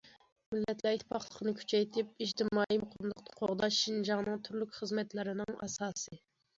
مىللەتلەر ئىتتىپاقلىقىنى كۈچەيتىپ، ئىجتىمائىي مۇقىملىقنى قوغداش شىنجاڭنىڭ تۈرلۈك خىزمەتلىرىنىڭ ئاساسى.